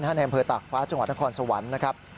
ในอำเภอตากฟ้าจังหวัดนครสวรรค์นะครับ